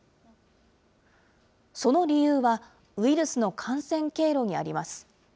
その理由は、ウイルスの感染経路にあります。